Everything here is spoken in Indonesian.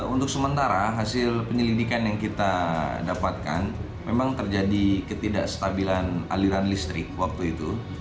untuk sementara hasil penyelidikan yang kita dapatkan memang terjadi ketidakstabilan aliran listrik waktu itu